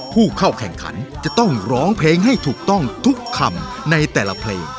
ผู้เข้าแข่งขันจะต้องร้องเพลงให้ถูกต้องทุกคำในแต่ละเพลง